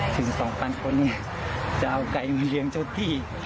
ถึง๒๐๐คนจะเอาไก่มาเลี้ยงเจ้าที่